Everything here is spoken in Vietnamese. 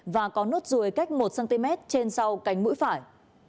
và có nốt ruồi cách một cm trên sau cánh mũi phải